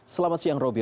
selamat siang roby